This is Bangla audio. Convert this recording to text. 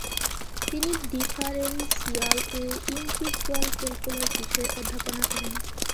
তিনি ‘ডিফারেন্সিয়াল ও ইন্টিগ্রাল ক্যলকুলাস ‘বিষয়ে অধ্যাপনা করেন।